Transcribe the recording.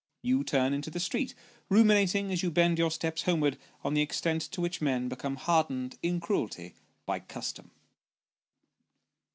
You turn into the street, ruminating as you bend your steps homewards on the extent to which men become hardened in cruelty, by custom.